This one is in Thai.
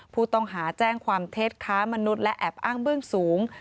ผู้ต้องหาแจ้งความเท็จค้ามนุษย์และแอบอ้างเบื้องสูง